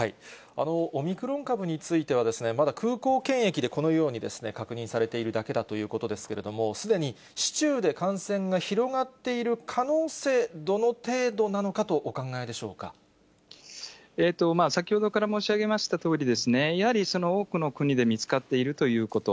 オミクロン株については、まだ空港検疫でこのように確認されているだけだということですけれども、すでに市中で感染が広がっている可能性、どの程度なのか先ほどから申し上げましたとおり、やはり多くの国で見つかっているということ。